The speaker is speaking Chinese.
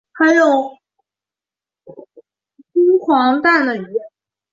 还有黄金蛋的鱼